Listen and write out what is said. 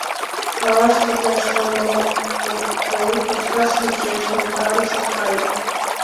Малаш возеш, омо ок тол, кочкаш шинчеш, логарыш ок кай.